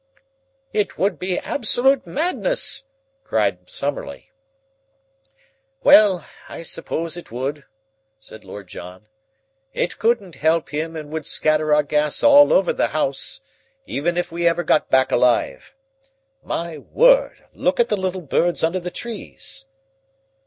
"It would be absolute madness," cried Summerlee. "Well, I suppose it would," said Lord John. "It couldn't help him and would scatter our gas all over the house, even if we ever got back alive. My word, look at the little birds under the trees!"